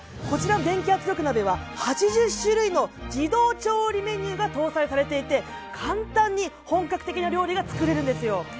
こちらの圧力鍋は、８０種類の自動調理メニューが搭載されていて簡単に本格的な料理が作れるんですよ。